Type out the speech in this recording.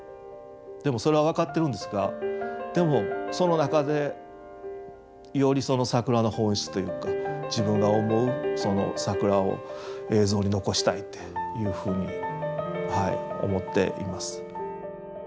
でもそれは分かってるんですがでもその中でより桜の本質というか自分が思う桜を映像に残したいっていうふうに思っています。